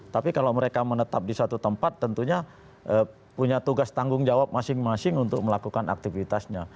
tapi kalau mereka menetap di satu tempat tentunya punya tugas tanggung jawab masing masing untuk melakukan aktivitasnya